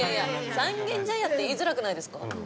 「三軒茶屋」って言いづらくないですか？